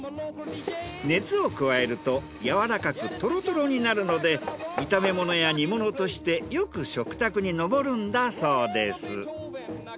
熱を加えるとやわらかくトロトロになるので炒め物や煮物としてよく食卓に上るんだそうです。